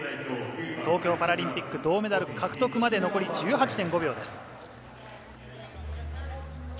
東京パラリンピック銅メダル獲得まで残り１８．５秒です。